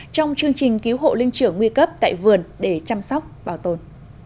trong chương trình cứu hộ linh trưởng nguy cấp tại vườn để chăm sóc bảo tồn